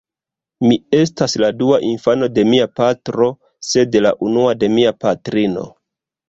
Mi estas la dua infano de mia patro, sed la unua de mia patrino.